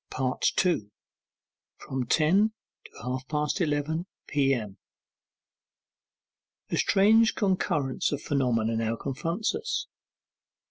2. FROM TEN TO HALF PAST ELEVEN P.M. A strange concurrence of phenomena now confronts us.